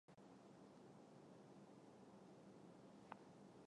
不要忘了有两种路线